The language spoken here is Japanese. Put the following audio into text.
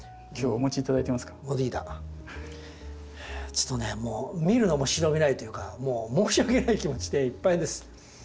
ちょっとねもう見るのも忍びないというかもう申し訳ない気持ちでいっぱいです。